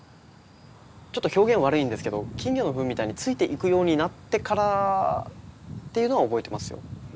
ちょっと表現悪いんですけど金魚のフンみたいについていくようになってからっていうのは覚えてますよ。